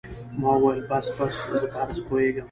ما وويل بس بس زه په هر څه پوهېږم.